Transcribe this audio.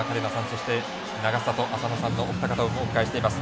そして、永里亜紗乃さんのお二方をお迎えしています。